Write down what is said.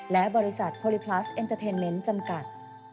และบริษัทโพลิพลัสเอ็นเตอร์เทนเมนต์จำกัด